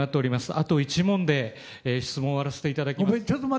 あと１問で質問を終わらせていただきます。